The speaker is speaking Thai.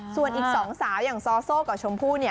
ส่วนอีก๒สาวอย่างซอโซ่กับชมพู่เนี่ย